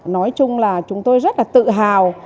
nói chung là chúng tôi rất tự hào